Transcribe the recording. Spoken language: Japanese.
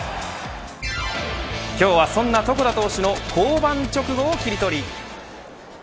今日は、そんな床田投手の登板直後をキリトリ。